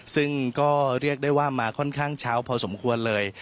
ซึ่งก็เรียกได้ว่ามาค่อนข้างเช้าพอสมควรเลย